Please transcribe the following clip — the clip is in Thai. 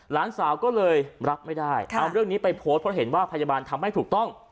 หลานสาวก็เลยรับไม่ได้เอาเรื่องนี้ไปโพสต์เพราะเห็นว่าพยาบาลทำให้ถูกต้อง